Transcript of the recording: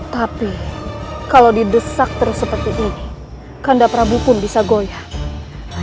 tapi kalau didesak terus seperti ini kanda prabu pun bisa goyah